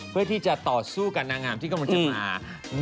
เพื่อที่จะต่อสู้กับนางงามที่กำลังจะมา